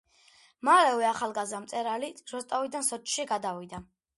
მალევე ახალგაზრდა მწერალი როსტოვიდან სოჭში გადავიდა.